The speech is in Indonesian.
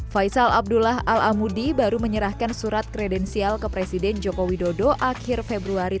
faisal abdullah al amudi baru menyerahkan surat kredensial ke presiden joko widodo akhir februari dua ribu dua puluh satu